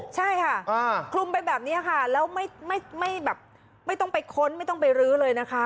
ใช่ค่ะคลุมไปแบบนี้ค่ะแล้วไม่แบบไม่ต้องไปค้นไม่ต้องไปรื้อเลยนะคะ